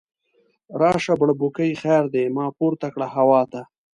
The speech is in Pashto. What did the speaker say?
راشه بړبوکۍ خیر دی، ما پورته کړه هوا ته